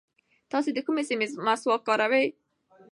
تاسو د کومې سیمې مسواک کاروئ؟